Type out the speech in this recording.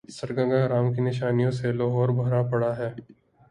سرگنگا رام کی نشانیوں سے لاہور بھرا پڑا ہے۔